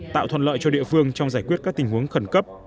tạo thuận lợi cho địa phương trong giải quyết các tình huống khẩn cấp